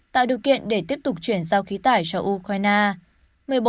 tạo điều kiện để tiếp tục chuyển giao khí tải cho ukraine